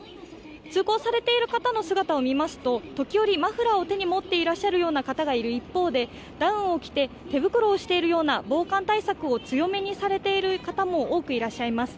通行されている方の姿を見ますと時折、マフラーを手に持っていらっしゃる方がいる一方で、ダウンを着て手袋をしているような、防寒対策を強めにされている方も多くいらっしゃいます。